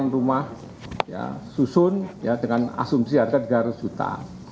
rumah susun dengan asumsi harga rp tiga ratus juta